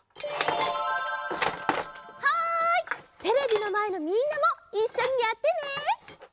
テレビのまえのみんなもいっしょにやってね。